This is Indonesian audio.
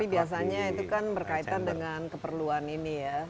tapi biasanya itu kan berkaitan dengan keperluan ini ya